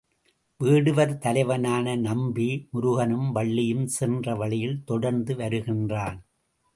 வேடுவர் தலைவனான நம்பி, முருகனும் வள்ளியும் சென்ற வழியில் தொடர்ந்து வருகின்றான்.